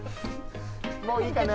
もういいかな？